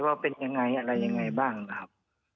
ว่าเป็นยังไงอะไรยังไงบ้างนะครับ